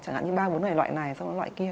chẳng hạn như ba bốn loại này xong rồi loại kia